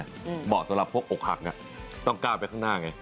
เหมาะสำหรับพวกอกหักต้องก้าวไปข้างหน้าไง